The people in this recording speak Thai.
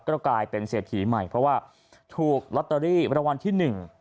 ก็กลายเป็นเศรษฐีใหม่เพราะว่าถูกลอตเตอรี่รางวัลที่หนึ่ง